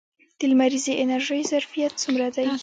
د لمریزې انرژۍ ظرفیت څومره دی؟